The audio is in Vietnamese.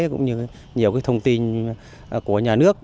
cũng như nhiều cái thông tin của nhà nước